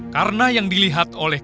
karena yang dilihat oleh